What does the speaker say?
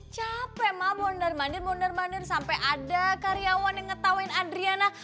capek ma mondar mandir mondar mandir sampai ada karyawan yang ngetawain adriana